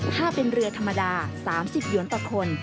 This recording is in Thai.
ถ้าเป็นเรือธรรมดา๓๐หยวนต่อคน